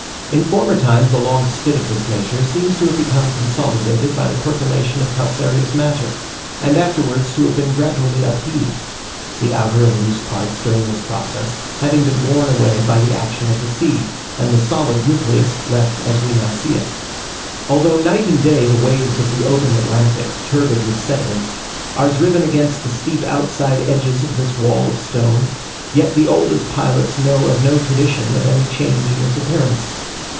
In former times a long spit of this nature seems to have become consolidated by the percolation of calcareous matter, and afterwards to have been gradually upheaved; the outer and loose parts during this process having been worn away by the action of the sea, and the solid nucleus left as we now see it. Although night and day the waves of the open Atlantic, turbid with sediment, are driven against the steep outside edges of this wall of stone, yet the oldest pilots know of no tradition of any change in its appearance.